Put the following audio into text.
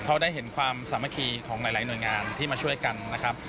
เพราะได้เห็นความสามัคคีของหลายหน่วยงานที่มาช่วยกันนะครับ